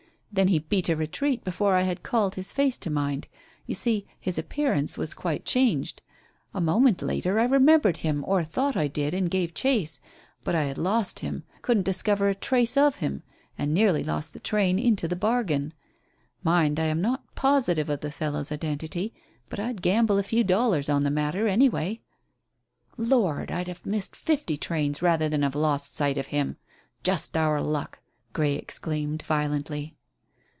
Then he beat a retreat before I had called his face to mind you see, his appearance was quite changed. A moment later I remembered him, or thought I did, and gave chase. But I had lost him, couldn't discover a trace of him, and nearly lost the train into the bargain. Mind, I am not positive of the fellow's identity, but I'd gamble a few dollars on the matter, anyway." "Lord! I'd have missed fifty trains rather than have lost sight of him. Just our luck," Grey exclaimed violently.